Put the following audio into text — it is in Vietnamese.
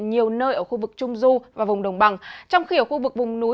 nhiều nơi ở khu vực trung du và vùng đồng bằng trong khi ở khu vực vùng núi